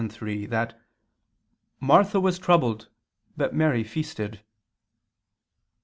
ciii) that "Martha was troubled, but Mary feasted."